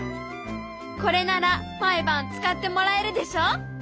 これなら毎晩使ってもらえるでしょ？